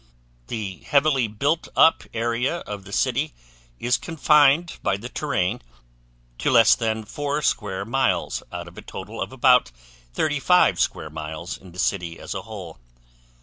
The heavily build up area of the city is confined by the terrain to less than 4 square miles out of a total of about 35 square miles in the city as a whole.